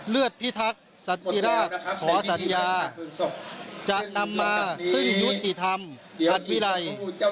เลือดพิทักษ์สันติราชขอสัญญาจะนำมาซึ่งยุติธรรมอัดวิรัย